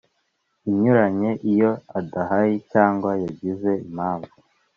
inyuranye Iyo adahari cyangwa yagize impamvu